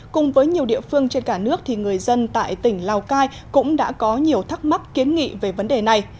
cùng với nhiều địa phương trên cả nước thì người dân tại tỉnh lào cai cũng đã có nhiều thắc mắc kiến nghị về vấn đề này